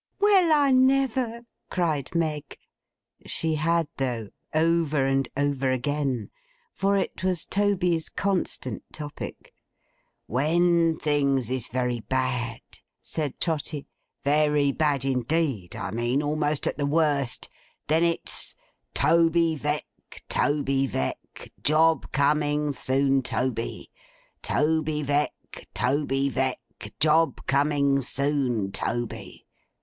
'Well, I never!' cried Meg. She had, though—over and over again. For it was Toby's constant topic. 'When things is very bad,' said Trotty; 'very bad indeed, I mean; almost at the worst; then it's "Toby Veck, Toby Veck, job coming soon, Toby! Toby Veck, Toby Veck, job coming soon, Toby!"